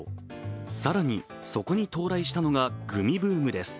更に、そこに到来したのがグミブームです。